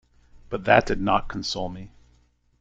But that did not console me.